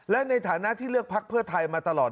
และในฐานะที่เลือกพักเพื่อไทยมาตลอด